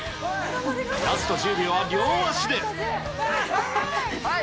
ラスト１０秒は両足で。